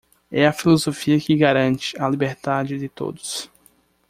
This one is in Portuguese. É a filosofia que garante a liberdade de todos.